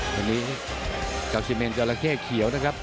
วันนี้กาซิเมนจราเข้เขียวนะครับ